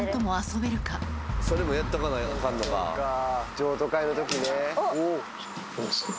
譲渡会の時ね。